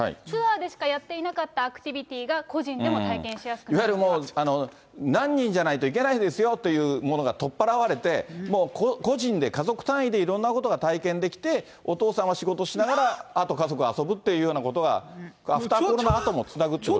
ツアーでしかやっていなかったアクティビティーが個人でも体験しいわゆるもう、何人じゃないと行けないですよというものが取っ払われて、もう個人で、家族単位でいろんなことが体験できて、お父さんは仕事しながら、あと家族は遊ぶっていうようなことが、アフターコロナあともつながる。